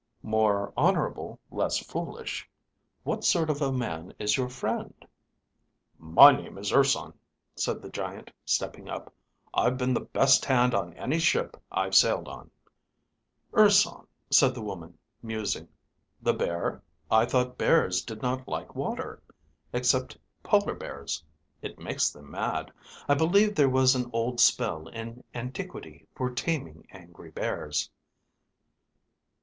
"More honorable, less foolish. What sort of a man is your friend?" "My name is Urson," said the giant, stepping up. "I've been the best hand on any ship I've sailed on." "Urson?" said the woman, musing. "The Bear? I thought bears did not like water. Except polar bears. It makes them mad. I believe there was an old spell, in antiquity, for taming angry bears...."